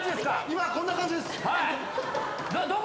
今こんな感じです。